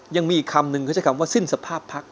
ยังมีอีกคำนึงเขาใช้คำว่าสิ้นสภาพพัก